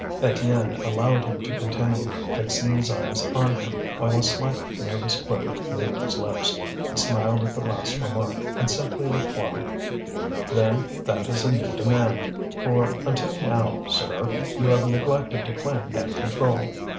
Étienne allowed him to continue, fixing his eyes on him, while a slight nervous quiver moved his lips. He smiled at the last remark, and simply replied: "Then that is a new demand, for until now, sir, you have neglected to claim that control.